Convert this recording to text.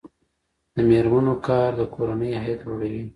د میرمنو کار د کورنۍ عاید لوړوي.